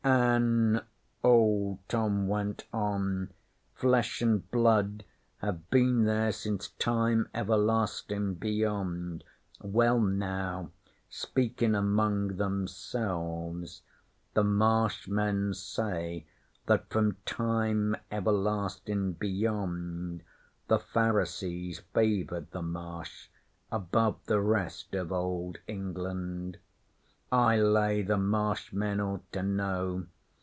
'An' old,' Tom went on. 'Flesh an' Blood have been there since Time Everlastin' Beyond. Well, now, speakin' among themselves, the Marsh men say that from Time Everlastin' Beyond, the Pharisees favoured the Marsh above the rest of Old England. I lay the Marsh men ought to know.